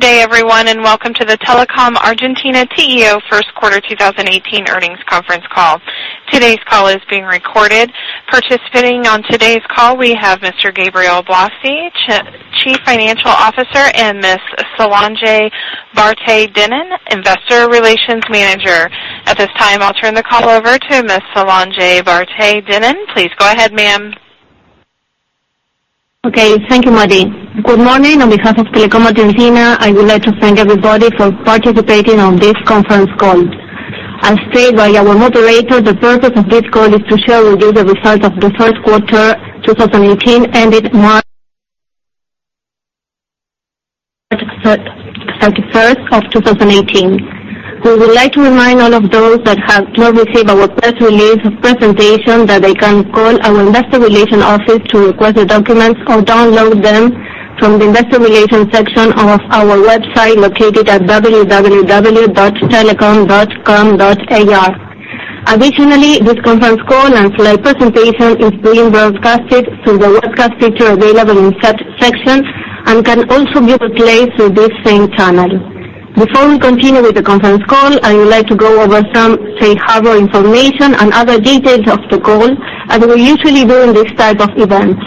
Good day, everyone, and welcome to the Telecom Argentina CEO first quarter 2018 earnings conference call. Today's call is being recorded. Participating on today's call, we have Mr. Gabriel Blasi, Chief Financial Officer, and Ms. Solange Barthe-Dinnon, Investor Relations Manager. At this time, I'll turn the call over to Ms. Solange Barthe-Dinnon. Please go ahead, ma'am. Okay. Thank you, Maddie. Good morning. On behalf of Telecom Argentina, I would like to thank everybody for participating on this conference call. As stated by our moderator, the purpose of this call is to share with you the results of the first quarter 2018, ended March 31st of 2018. We would like to remind all of those that have not received our press release presentation that they can call our investor relation office to request the documents or download them from the investor relation section of our website located at www.telecom.com.ar. Additionally, this conference call and slide presentation is being broadcasted through the webcast feature available in such section and can also be replayed through this same channel. Before we continue with the conference call, I would like to go over some safe harbor information and other details of the call, as we usually do in this type of event.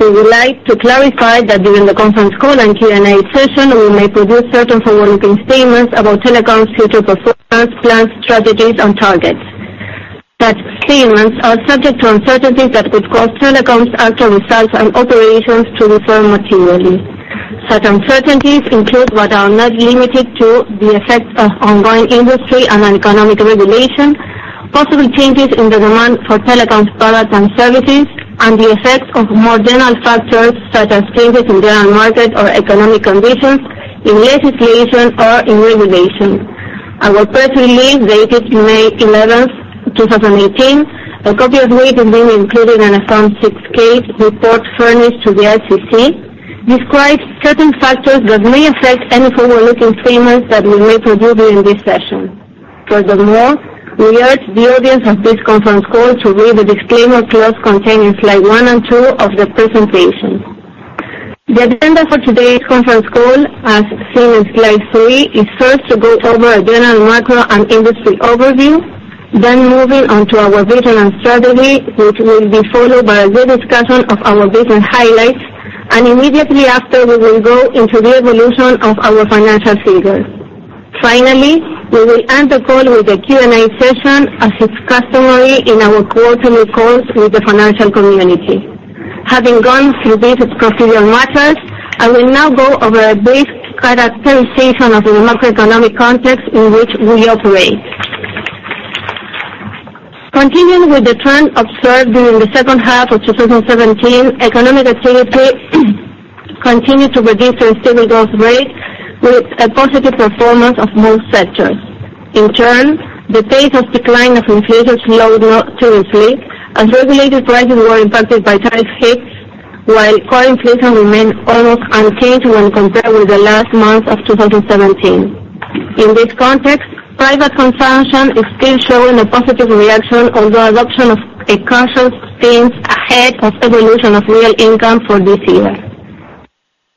We would like to clarify that during the conference call and Q&A session, we may produce certain forward-looking statements about Telecom's future performance, plans, strategies, and targets. Such statements are subject to uncertainties that could cause Telecom's actual results and operations to differ materially. Such uncertainties include, but are not limited to, the effects of ongoing industry and economic regulation, possible changes in the demand for Telecom's products and services, and the effects of more general factors such as changes in the market or economic conditions, in legislation or in regulation. Our press release dated May 11, 2018, a copy of which has been included in a Form 6-K report furnished to the SEC, describes certain factors that may affect any forward-looking statements that we may produce during this session. Furthermore, we urge the audience of this conference call to read the disclaimer clause contained in Slide one and two of the presentation. The agenda for today's conference call, as seen in Slide three, is first to go over a general macro and industry overview, then moving on to our vision and strategy, which will be followed by a brief discussion of our business highlights, and immediately after, we will go into the evolution of our financial figures. Finally, we will end the call with a Q&A session, as is customary in our quarterly calls with the financial community. Having gone through these procedural matters, I will now go over a brief characterization of the macroeconomic context in which we operate. Continuing with the trend observed during the second half of 2017, economic activity continued to reduce the steady growth rate with a positive performance of most sectors. In turn, the pace of decline of inflation slowed noticeably as regulated prices were impacted by tariff hikes, while core inflation remained almost unchanged when compared with the last month of 2017. In this context, private consumption is still showing a positive reaction on the adoption of a cautious stance ahead of evolution of real income for this year.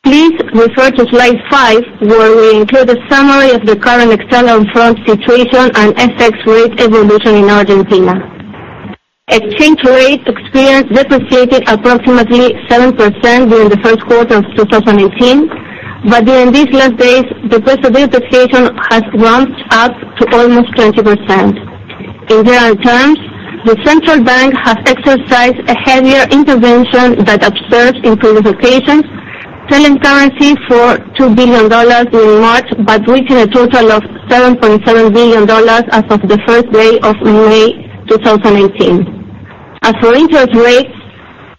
Please refer to Slide 5, where we include a summary of the current external front situation and FX rate evolution in Argentina. Exchange rate experienced depreciation approximately 7% during the first quarter of 2018, but during these last days, the peso depreciation has ramped up to almost 20%. In real terms, the Central Bank has exercised a heavier intervention that observed improved occasions, selling currency for ARS 2 billion in March, but reaching a total of ARS 7.7 billion as of the first day of May 2018. As for interest rates,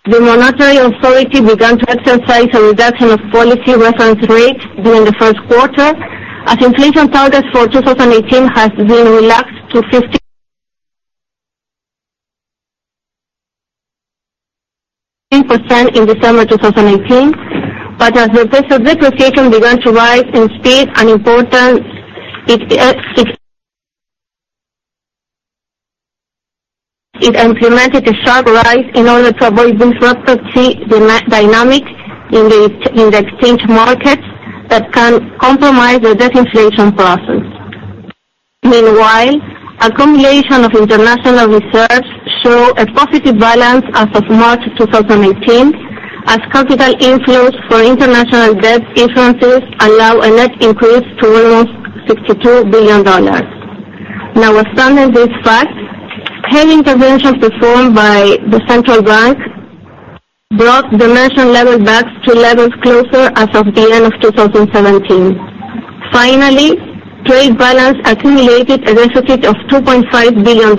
the monetary authority began to exercise a reduction of policy reference rates during the first quarter, as inflation targets for 2018 has been relaxed to 15% in December 2018. As the peso depreciation began to rise in speed and importance, it implemented a sharp rise in order to avoid disruptive dynamics in the exchange markets that can compromise the disinflation process. Meanwhile, accumulation of international reserves show a positive balance as of March 2018, as capital inflows for international debt issuances allow a net increase to almost ARS 62 billion. Now, understanding these facts, heavy interventions performed by the Central Bank brought the national level back to levels closer as of the end of 2017. Finally, trade balance accumulated a deficit of ARS 2.5 billion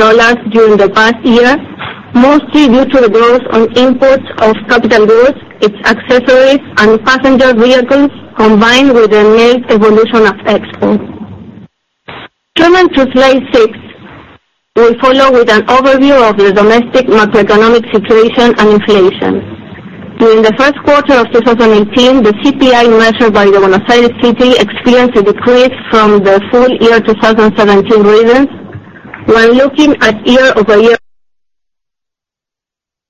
during the past year, mostly due to the growth on imports of capital goods, its accessories, and passenger vehicles, combined with a negative evolution of exports. Turning to Slide 6, we follow with an overview of the domestic macroeconomic situation and inflation. During the first quarter of 2018, the CPI measured by the Buenos Aires City experienced a decrease from the full year 2017 readings. When looking at year-over-year,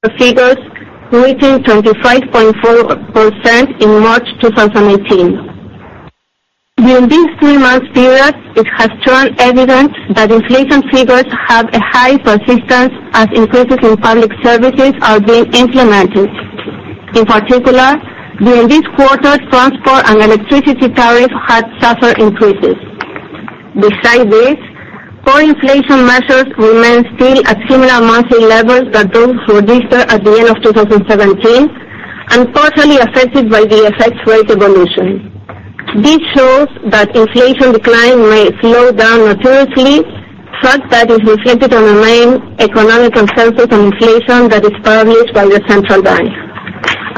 the figures reaching 25.4% in March 2018. During these three months period, it has shown evidence that inflation figures have a high persistence as increases in public services are being implemented. In particular, during this quarter, transport and electricity tariff had suffered increases. Besides this, core inflation measures remain still at similar monthly levels that those registered at the end of 2017 and partially affected by the FX rate evolution. This shows that inflation decline may slow down naturally, fact that is reflected on the main economic consensus on inflation that is published by the Central Bank.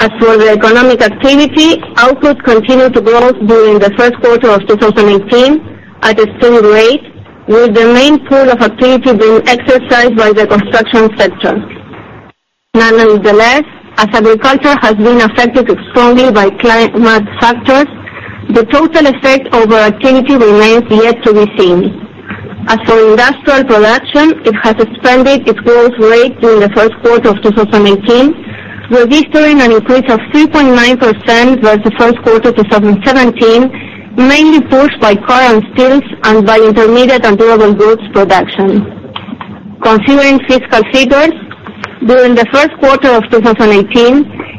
As for the economic activity, output continued to grow during the first quarter of 2018 at a steady rate, with the main pool of activity being exercised by the construction sector. Nonetheless, as agriculture has been affected strongly by climate factors, the total effect over activity remains yet to be seen. As for industrial production, it has expanded its growth rate during the first quarter of 2018, registering an increase of 3.9% versus first quarter 2017, mainly pushed by car and steels and by intermediate and durable goods production. Considering fiscal figures, during the first quarter of 2018,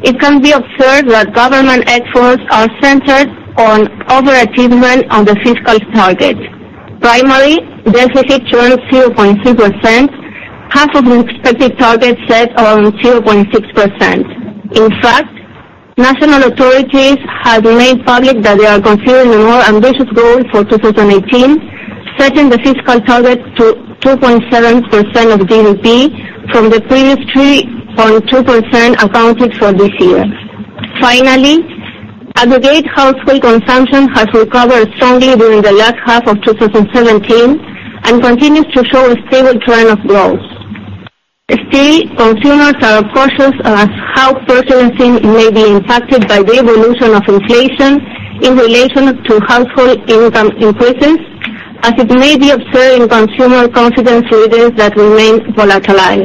it can be observed that government efforts are centered on overachievement on the fiscal target. Primarily, deficit turned 0.3%, half of the expected target set on 0.6%. In fact, national authorities have made public that they are considering a more ambitious goal for 2018, setting the fiscal target to 2.7% of GDP from the previous 3.2% accounted for this year. Finally, aggregate household consumption has recovered strongly during the last half of 2017 and continues to show a stable trend of growth. Consumers are cautious as how purchasing may be impacted by the evolution of inflation in relation to household income increases, as it may be observed in consumer confidence readings that remain volatile.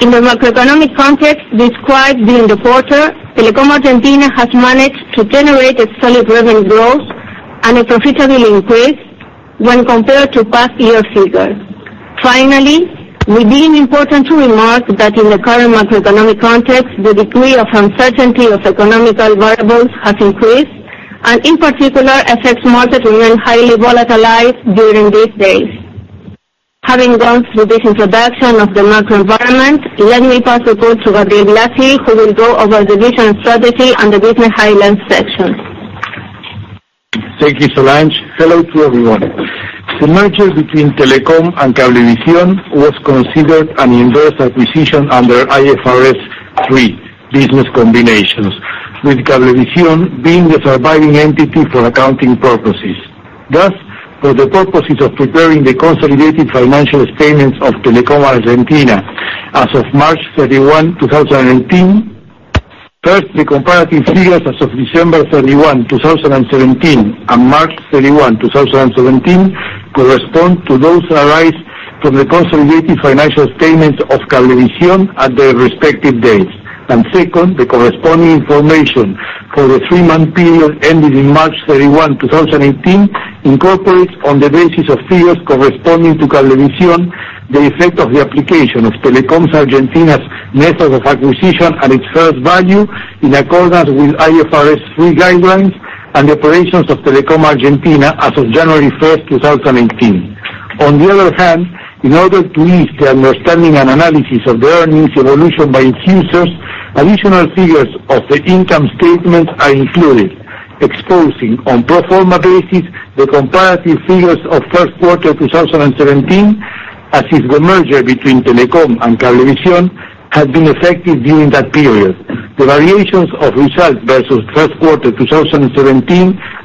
In the macroeconomic context described during the quarter, Telecom Argentina has managed to generate a solid revenue growth and a profitable increase when compared to past year figures. Finally, we deem important to remark that in the current macroeconomic context, the degree of uncertainty of economical variables has increased. In particular, FX markets remain highly volatilized during these days. Having gone through this introduction of the macro environment, let me pass the call to Gabriel Blasi, who will go over the vision strategy and the business highlights section. Thank you, Solange. Hello to everyone. The merger between Telecom and Cablevisión was considered an inverse acquisition under IFRS 3, business combinations, with Cablevisión being the surviving entity for accounting purposes. Thus, for the purposes of preparing the consolidated financial statements of Telecom Argentina as of March 31, 2018. First, the comparative figures as of December 31, 2017, and March 31, 2017, correspond to those arise from the consolidated financial statements of Cablevisión at their respective dates. Second, the corresponding information for the three-month period ending in March 31, 2018, incorporates, on the basis of figures corresponding to Cablevisión, the effect of the application of Telecom Argentina's method of acquisition at its fair value in accordance with IFRS 3 guidelines and the operations of Telecom Argentina as of January 1, 2018. In order to ease the understanding and analysis of the earnings evolution by its users, additional figures of the income statement are included, exposing on pro forma basis the comparative figures of first quarter 2017, as if the merger between Telecom and Cablevisión had been effective during that period. The variations of results versus first quarter 2017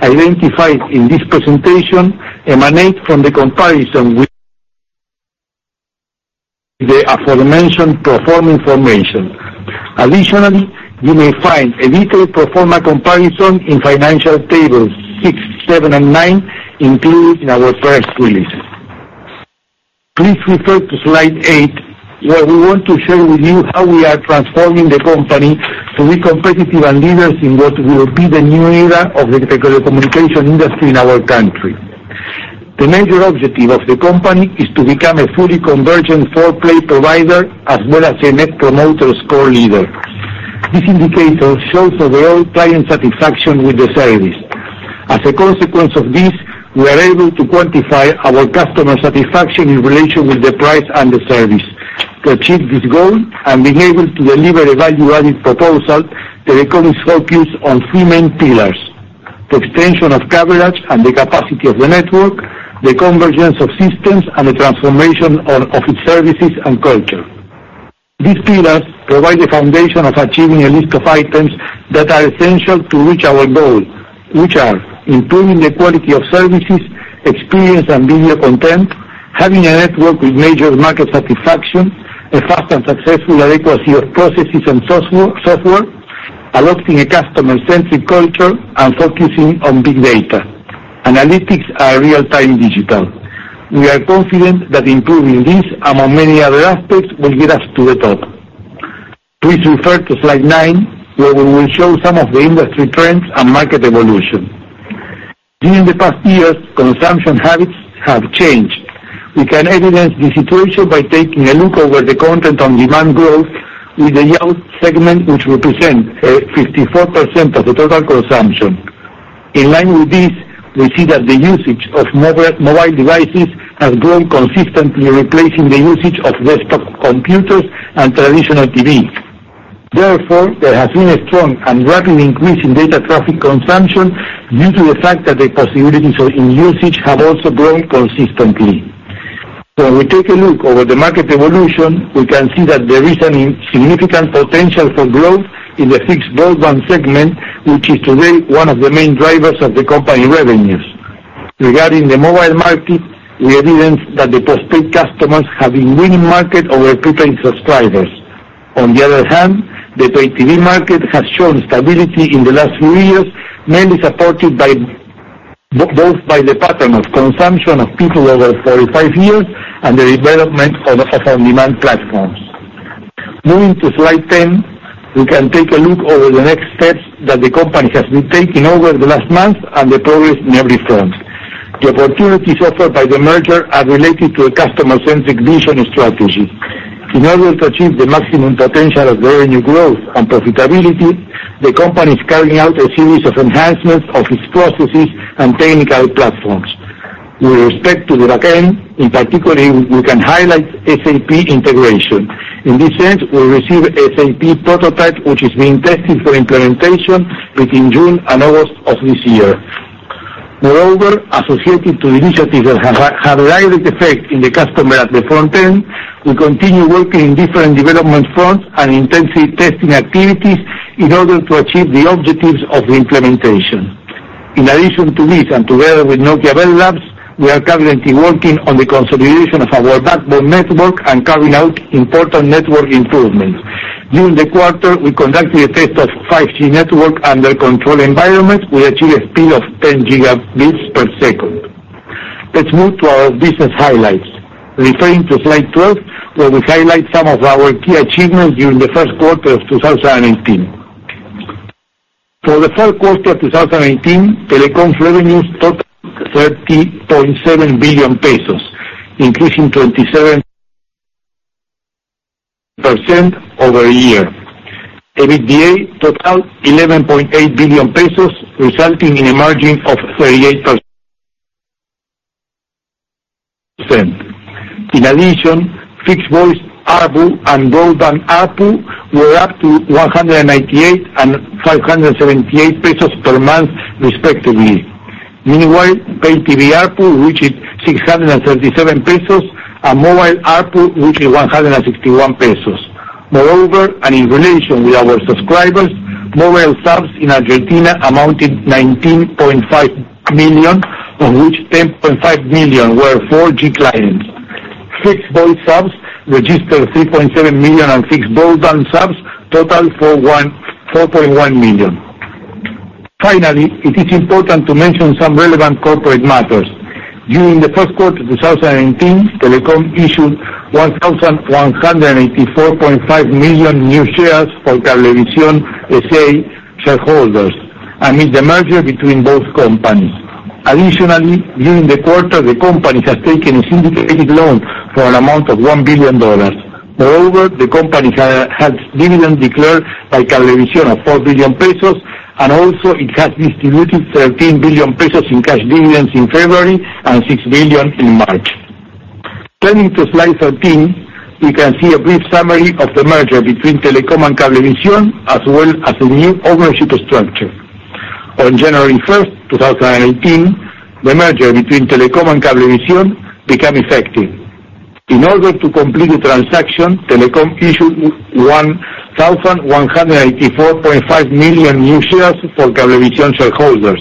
identified in this presentation emanate from the comparison with the aforementioned pro forma information. You may find a detailed pro forma comparison in financial tables six, seven, and nine included in our press release. Please refer to slide eight, where we want to share with you how we are transforming the company to be competitive and leaders in what will be the new era of the telecommunication industry in our country. The major objective of the company is to become a fully convergent four-play provider, as well as a Net Promoter Score leader. This indicator shows overall client satisfaction with the service. As a consequence of this, we are able to quantify our customer satisfaction in relation with the price and the service. To achieve this goal and being able to deliver a value-added proposal, Telecom is focused on three main pillars: the extension of coverage and the capacity of the network, the convergence of systems, and the transformation of its services and culture. These pillars provide the foundation of achieving a list of items that are essential to reach our goal, which are improving the quality of services, experience and video content, having a network with major market satisfaction, a fast and successful adequacy of processes and software, adopting a customer-centric culture, and focusing on big data. Analytics are real-time digital. We are confident that improving this, among many other aspects, will get us to the top. Please refer to slide nine, where we will show some of the industry trends and market evolution. During the past years, consumption habits have changed. We can evidence the situation by taking a look over the content on demand growth with the yellow segment, which represents 54% of the total consumption. In line with this, we see that the usage of mobile devices has grown consistently, replacing the usage of desktop computers and traditional TV. Therefore, there has been a strong and rapid increase in data traffic consumption due to the fact that the possibilities in usage have also grown consistently. When we take a look over the market evolution, we can see that there is a significant potential for growth in the fixed broadband segment, which is today one of the main drivers of the company revenues. Regarding the mobile market, we evidence that the postpaid customers have been winning market over prepaid subscribers. On the other hand, the pay TV market has shown stability in the last few years, mainly supported both by the pattern of consumption of people over 45 years and the development of on-demand platforms. Moving to slide 10, we can take a look over the next steps that the company has been taking over the last month and the progress on every front. The opportunities offered by the merger are related to a customer-centric vision and strategy. In order to achieve the maximum potential of revenue growth and profitability, the company is carrying out a series of enhancements of its processes and technical platforms. With respect to the backend, in particular, we can highlight SAP integration. In this sense, we receive SAP prototype, which is being tested for implementation between June and August of this year. Moreover, associated to initiatives that have a direct effect on the customer at the front end, we continue working in different development fronts and intensive testing activities in order to achieve the objectives of the implementation. In addition to this, and together with Nokia Bell Labs, we are currently working on the consolidation of our backbone network and carrying out important network improvements. During the quarter, we conducted a test of 5G network under controlled environment. We achieved a speed of 10 gigabits per second. Let's move to our business highlights. Referring to slide 12, where we highlight some of our key achievements during the first quarter of 2018. For the first quarter of 2018, Telecom's revenues totaled ARS 30.7 billion, increasing 27% over a year. EBITDA totaled 11.8 billion pesos, resulting in a margin of 38%. In addition, fixed voice ARPU and broadband ARPU were up to 198 and 578 pesos per month, respectively. Meanwhile, PayTV ARPU reached 637 pesos, and mobile ARPU reached 161 pesos. Moreover, in relation with our subscribers, mobile subs in Argentina amounted to 19.5 million, of which 10.5 million were 4G clients. Fixed voice subs registered 3.7 million, and fixed broadband subs totaled 4.1 million. Finally, it is important to mention some relevant corporate matters. During the first quarter of 2018, Telecom issued 1,184.5 million new shares for Cablevisión S.A. shareholders amid the merger between both companies. During the quarter, the company has taken a syndicated loan for an amount of $1 billion. The company has dividend declared by Cablevisión of 4 billion pesos, and also it has distributed 13 billion pesos in cash dividends in February and 6 billion in March. Turning to slide 13, we can see a brief summary of the merger between Telecom and Cablevisión, as well as the new ownership structure. On January 1st, 2018, the merger between Telecom and Cablevisión became effective. In order to complete the transaction, Telecom issued 1,184.5 million new shares for Cablevisión shareholders.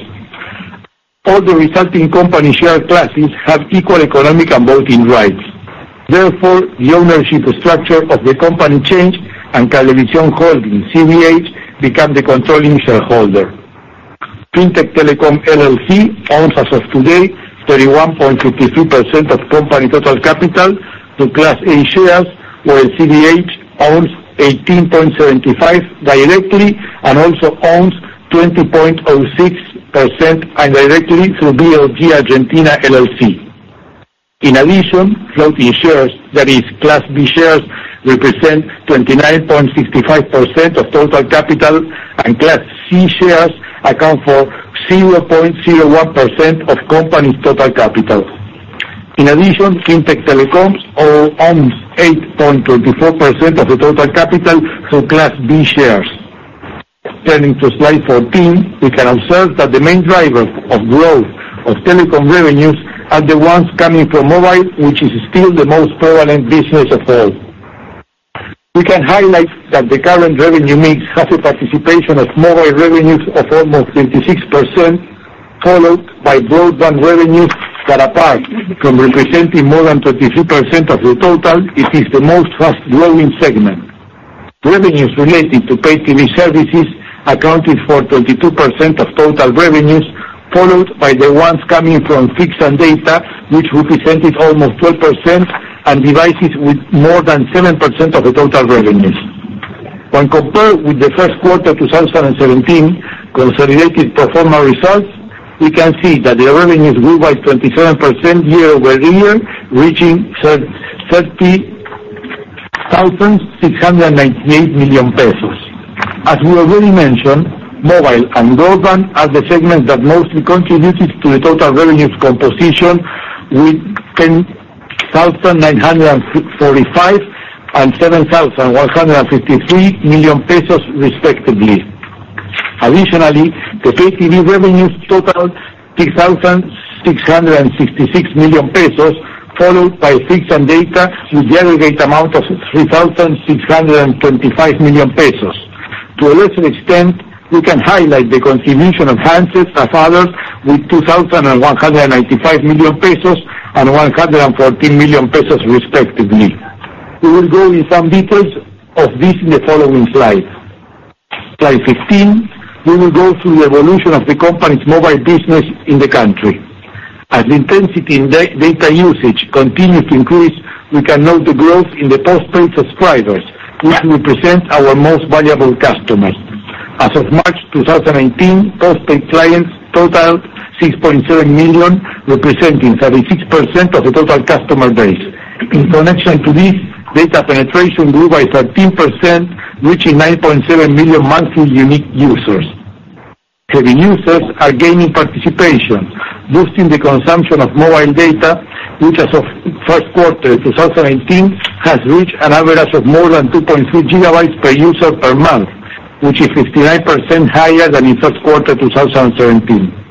All the resulting company share classes have equal economic and voting rights. The ownership structure of the company changed, and Cablevisión Holdings, CVH, became the controlling shareholder. Fintech Telecom LLC owns as of today 31.53% of company total capital through Class A shares, where CVH owns 18.75% directly and also owns 20.06% indirectly through VLG Argentina LLC. Floating shares, that is Class B shares, represent 29.65% of total capital, and Class C shares account for 0.01% of company's total capital. Fintech Telecom owns 8.24% of the total capital through Class B shares. Turning to slide 14, we can observe that the main drivers of growth of Telecom revenues are the ones coming from mobile, which is still the most prevalent business of all. We can highlight that the current revenue mix has a participation of mobile revenues of almost 26%, followed by broadband revenues that apart from representing more than 33% of the total, it is the most fast-growing segment. Revenues related to pay TV services accounted for 32% of total revenues, followed by the ones coming from fixed and data, which represented almost 12%, and devices with more than 7% of the total revenues. When compared with the first quarter 2017 consolidated pro forma results, we can see that the revenues grew by 27% year-over-year, reaching 30,698 million pesos. As we already mentioned, mobile and broadband are the segments that mostly contributed to the total revenues composition with 10,945 million and 7,153 million pesos respectively. The pay TV revenues totaled ARS 3,666 million, followed by fixed and data to the aggregate amount of 3,625 million pesos. To a lesser extent, we can highlight the contribution of handsets and others with 2,195 million pesos and 114 million pesos respectively. We will go in some details of this in the following slide. Slide 15, we will go through the evolution of the company's mobile business in the country. As intensity in data usage continues to increase, we can note the growth in the postpaid subscribers, which represent our most valuable customers. As of March 2018, postpaid clients totaled 6.7 million, representing 36% of the total customer base. In connection to this, data penetration grew by 13%, reaching 9.7 million monthly unique users. Heavy users are gaining participation, boosting the consumption of mobile data, which as of first quarter 2018 has reached an average of more than 2.3 gigabytes per user per month, which is 59% higher than in first quarter 2017.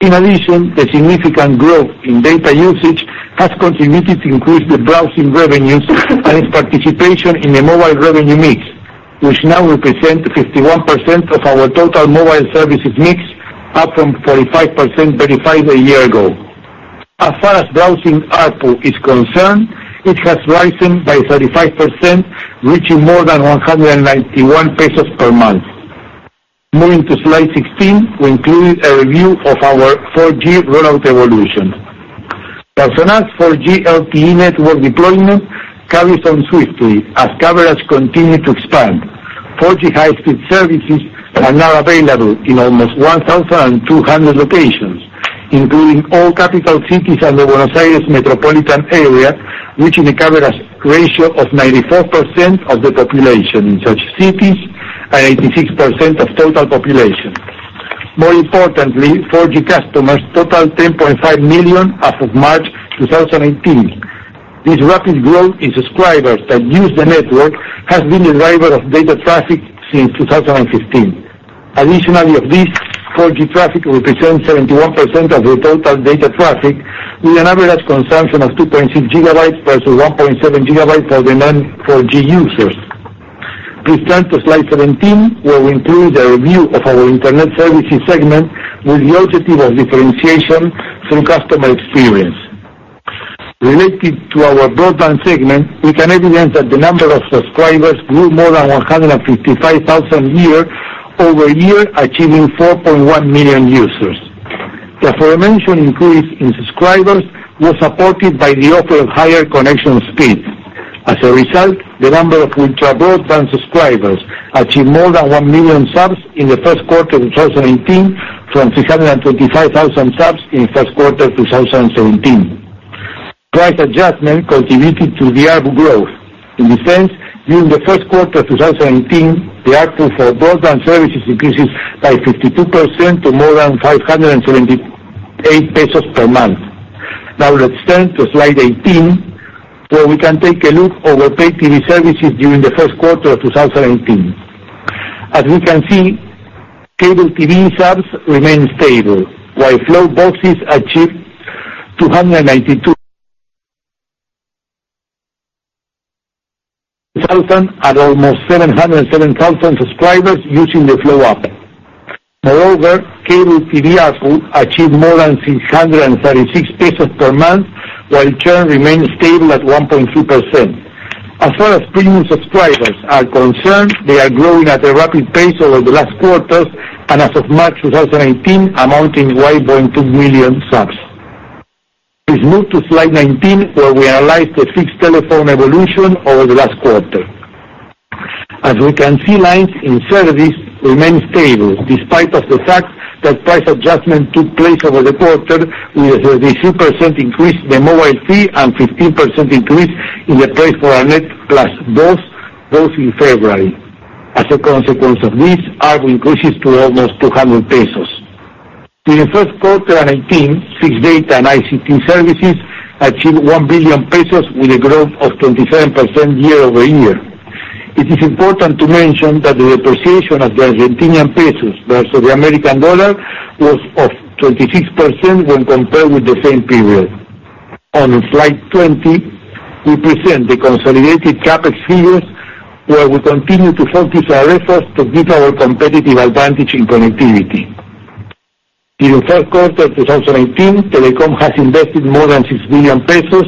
In addition, the significant growth in data usage has contributed to increase the browsing revenues and its participation in the mobile revenue mix, which now represents 51% of our total mobile services mix, up from 45% verified a year ago. As far as browsing ARPU is concerned, it has risen by 35%, reaching more than 191 pesos per month. Moving to slide 16, we include a review of our 4G rollout evolution. Personal's 4G LTE network deployment carries on swiftly as coverage continue to expand. 4G high-speed services are now available in almost 1,200 locations, including all capital cities and the Buenos Aires metropolitan area, reaching a coverage ratio of 94% of the population in such cities and 86% of total population. More importantly, 4G customers totaled 10.5 million as of March 2018. This rapid growth in subscribers that use the network has been a driver of data traffic since 2015. Additionally, 4G traffic represents 71% of the total data traffic, with an average consumption of 2.6 gigabytes versus 1.7 gigabytes for the non-4G users. Please turn to slide 17, where we include a review of our internet services segment with the objective of differentiation through customer experience. Related to our broadband segment, we can evidence that the number of subscribers grew more than 155,000 year-over-year, achieving 4.1 million users. The aforementioned increase in subscribers was supported by the offer of higher connection speeds. As a result, the number of ultra-broadband subscribers achieved more than 1 million subs in the first quarter of 2018 from 325,000 subs in first quarter 2017. Price adjustment contributed to the ARPU growth. In this sense, during the first quarter 2018, the ARPU for broadband services increases by 52% to more than 578 pesos per month. Now let's turn to slide 18, where we can take a look over pay TV services during the first quarter of 2018. As we can see, cable TV subs remain stable, while Flow boxes achieved 292,000 and almost 707,000 subscribers using the Flow app. Moreover, cable TV ARPU achieved more than 636 pesos per month, while churn remained stable at 1.3%. As far as premium subscribers are concerned, they are growing at a rapid pace over the last quarters and as of March 2018, amounting to 1.2 million subs. Please move to slide 19, where we analyze the fixed telephone evolution over the last quarter. As we can see, lines in service remain stable despite of the fact that price adjustment took place over the quarter with a 33% increase in the mobile fee and 15% increase in the price for Arnet Plus, both in February. As a consequence of this, ARPU increases to almost 200 pesos. In the first quarter 2018, fixed data and ICT services achieved 1 billion pesos with a growth of 27% year-over-year. It is important to mention that the depreciation of the Argentine pesos versus the US dollar was of 26% when compared with the same period. On slide 20, we present the consolidated CapEx figures, where we continue to focus our efforts to give our competitive advantage in connectivity. In the first quarter of 2018, Telecom has invested more than 6 billion pesos,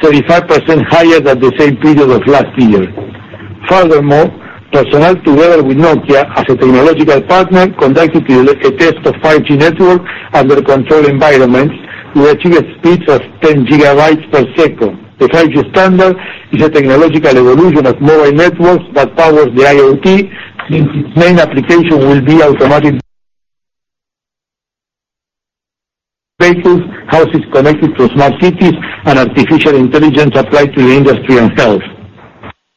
35% higher than the same period of last year. Furthermore, Personal together with Nokia as a technological partner, conducted a test of 5G network under controlled environments. We achieved speeds of 10 gigabits per second. The 5G standard is a technological evolution of mobile networks that powers the IoT. Its main application will be automatic vehicles, houses connected to smart cities, and artificial intelligence applied to industry and health.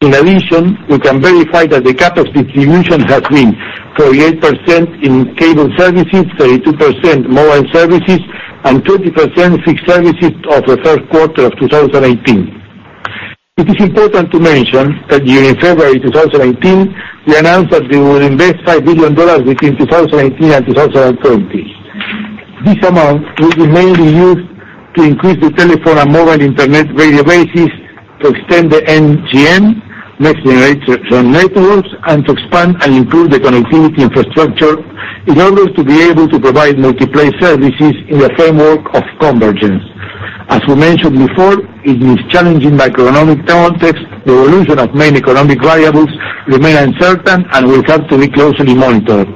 In addition, we can verify that the cap of distribution has been 48% in cable services, 32% mobile services, and 20% fixed services of the third quarter of 2018. It is important to mention that during February 2018, we announced that we will invest $5 billion between 2018 and 2020. This amount will be mainly used to increase the telephone and mobile internet radio bases to extend the NGN, next generation networks, and to expand and improve the connectivity infrastructure in order to be able to provide multi-play services in the framework of convergence. As we mentioned before, it is challenging by economic context, the evolution of many economic variables remain uncertain and will have to be closely monitored.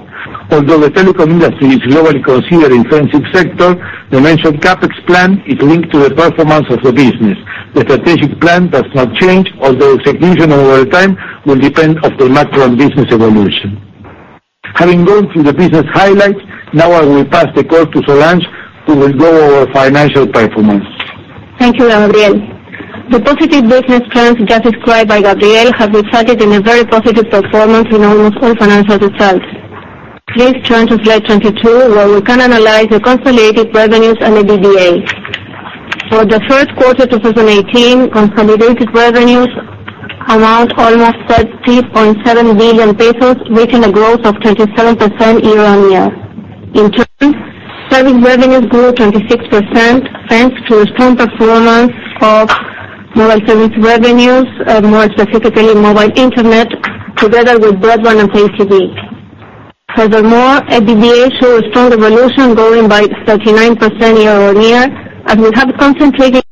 Although the Telecom industry is globally considered infrastructure sector, the mentioned CapEx plan is linked to the performance of the business. The strategic plan does not change, although execution over time will depend on the macro and business evolution. Having gone through the business highlights, now I will pass the call to Solange, who will go over financial performance. Thank you, Gabriel. The positive business trends just described by Gabriel have resulted in a very positive performance in almost all financial results. Please turn to slide 22 where we can analyze the consolidated revenues and EBITDA. For the first quarter 2018, consolidated revenues amount almost 30.7 billion pesos, making a growth of 27% year-on-year. In turn, service revenues grew 26% thanks to strong performance of mobile service revenues, more specifically mobile internet together with broadband and pay TV. Furthermore, EBITDA show a strong evolution growing by 39% year-on-year. We have concentrated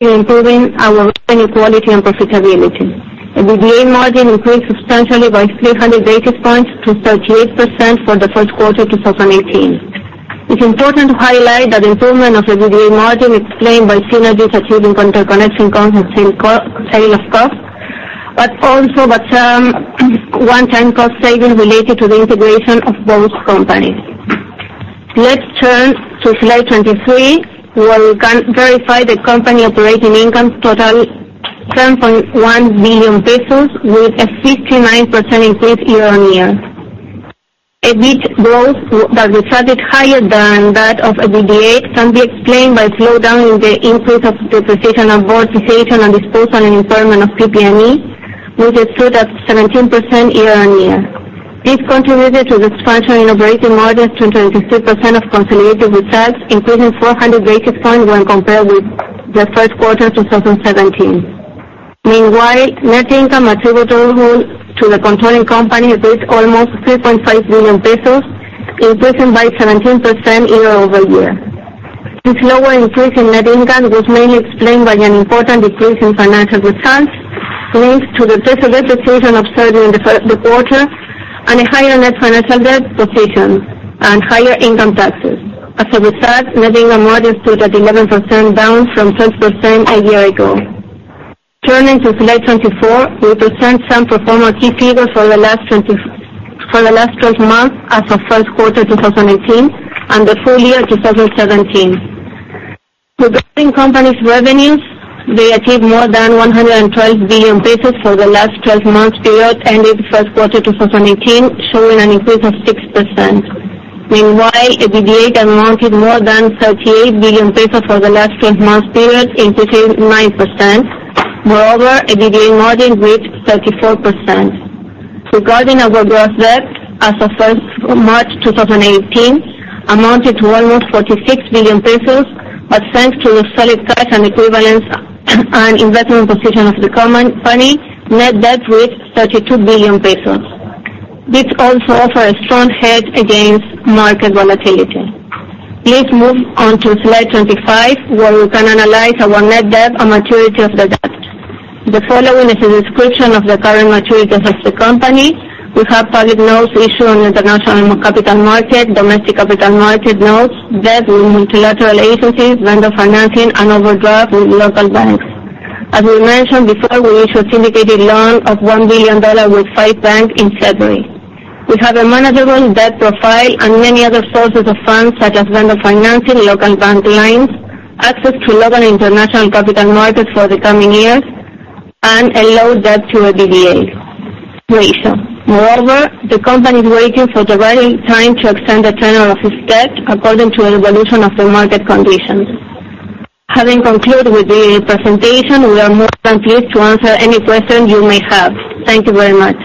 in improving our revenue quality and profitability. EBITDA margin increased substantially by 300 basis points to 38% for the first quarter 2018. It's important to highlight that improvement of EBITDA margin explained by synergies achieved in interconnection concepts in scale of cost, but also the term one-time cost savings related to the integration of both companies. Let's turn to slide 23, where we can verify the company operating income totaling 10.1 billion pesos with a 59% increase year-on-year. EBIT growth that resulted higher than that of EBITDA can be explained by slowdown in the increase of depreciation and amortization and disposal and impairment of PP&E, which grew at 17% year-on-year. This contributed to this expansion in operating margins to 23% of consolidated results, increasing 400 basis points when compared with the first quarter 2017. Meanwhile, net income attributable to the controlling company reached almost 3.5 billion pesos, increasing by 17% year-over-year. This lower increase in net income was mainly explained by an important decrease in financial results linked to the deterioration observed in the quarter, and a higher net financial debt position and higher income taxes. As a result, net income margin stood at 11%, down from 12% a year ago. Turning to slide 24, we present some performance key figures for the last 12 months as of first quarter 2018 and the full year 2017. Regarding company's revenues, they achieved more than 112 billion pesos for the last 12 months period, ending first quarter 2018, showing an increase of 6%. Meanwhile, EBITDA amounted more than 38 billion pesos for the last 12 months period, increasing 9%. Moreover, EBITDA margin reached 34%. Regarding our gross debt, as of first March 2018, amounted to almost 46 billion pesos, but thanks to a solid cash and equivalents and investment position of the company, net debt reached 32 billion pesos. This also offers a strong hedge against market volatility. Let's move on to slide 25, where we can analyze our net debt and maturity of the debt. The following is a description of the current maturity of the company. We have public notes issued on international capital market, domestic capital market notes, debt with multilateral agencies, vendor financing, and overdraft with local banks. As we mentioned before, we issued syndicated loan of $1 billion with five banks in February. We have a manageable debt profile and many other sources of funds such as vendor financing, local bank lines, access to local and international capital markets for the coming years, and a low debt to EBITDA ratio. Moreover, the company is waiting for the right time to extend the tenor of its debt according to the evolution of the market conditions. Having concluded with the presentation, we are more than pleased to answer any questions you may have. Thank you very much.